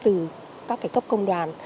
từ các cấp công đoàn